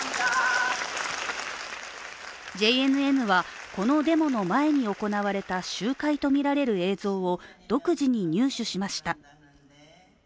ＪＮＮは、このデモの前に行われた集会とみられる映像を独自に入手しました。